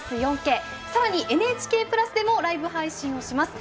さらに「ＮＨＫプラス」でもライブ配信をします。